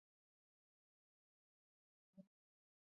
د شرابو جوړول په لرغوني وخت کې وو